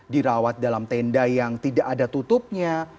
dirawat dalam tenda yang tidak ada tutupnya